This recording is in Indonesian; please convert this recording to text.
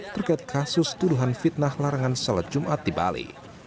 terkait kasus tuduhan fitnah larangan sholat jumat di bali